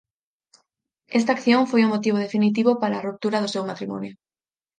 Esta acción foi o motivo definitivo para a ruptura do seu matrimonio.